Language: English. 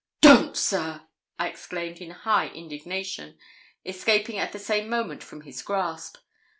'Don't, sir,' I exclaimed in high indignation, escaping at the same moment from his grasp.